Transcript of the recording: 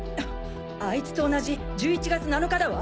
あいつと同じ１１月７日だわ。